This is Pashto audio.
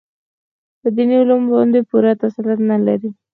په دیني علومو باندې پوره تسلط نه لري.